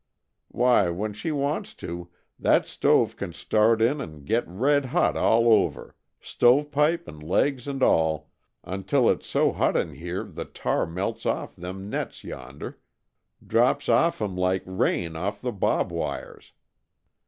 Why, when she wants to, that stove can start in and get red hot all over, stove pipe and legs and all, until it's so hot in here the tar melts off them nets yonder drips off 'em like rain off the bob wires.